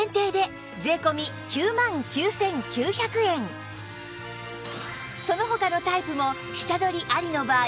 その際のその他のタイプも下取りありの場合